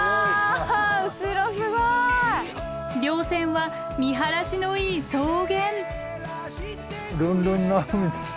稜線は見晴らしのいい草原。